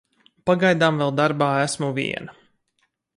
Pagaidām vēl darbā esmu viena.